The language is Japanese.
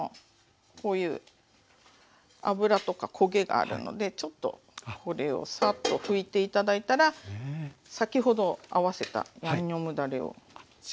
こういう油とか焦げがあるのでちょっとこれをサッと拭いて頂いたら先ほど合わせたヤンニョムだれを煮立てますね一回。